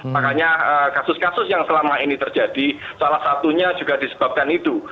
makanya kasus kasus yang selama ini terjadi salah satunya juga disebabkan itu